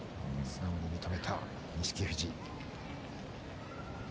素直に認めた錦富士。